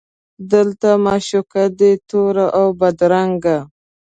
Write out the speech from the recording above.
دلته معشوق دی تور اوبدرنګه